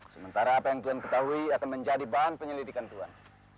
sementara apa yang tuhan ketahui akan menjadi bahan penyelidikan tuhan